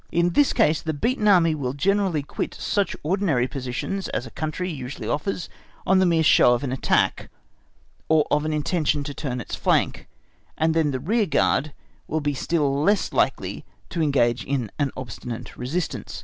In this case the beaten Army will generally quit such ordinary positions as a country usually offers on the mere show of an attack, or of an intention to turn its flank; and the rear guard will be still less likely to engage in an obstinate resistance.